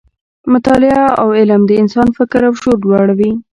مطالعه او علم د انسان فکر او شعور لوړوي.